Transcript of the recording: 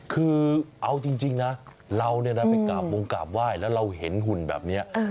คือเอาจริงนะเราเนี่ยนะไปกราบวงกราบไหว้แล้วเราเห็นหุ่นแบบนี้